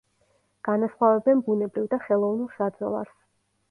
განასხვავებენ ბუნებრივ და ხელოვნურ საძოვარს.